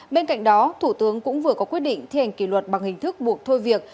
bên cạnh đó thủ tướng cũng vừa có quyết định thi hành kỷ luật bằng hình thức buộc thôi việc